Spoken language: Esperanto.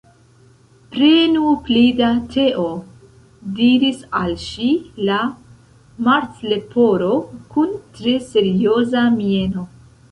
"Prenu pli da teo," diris al ŝi la Martleporo, kun tre serioza mieno.